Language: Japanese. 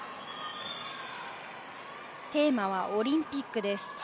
テーマはオリンピックです。